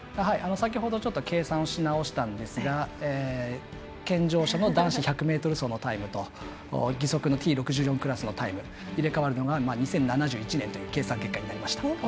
先ほど計算し直したんですが健常者の男子１００ｍ走のタイムと義足のＴ６４クラスのタイム入れ代わるのは２０７１年という計算結果が出ました。